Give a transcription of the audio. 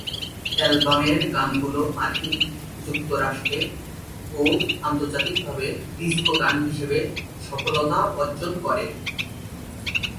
অ্যালবামের গানগুলো মার্কিন যুক্তরাষ্ট্রে ও আন্তর্জাতিকভাবে ডিস্কো গান হিসেবে সফলতা অর্জন করে।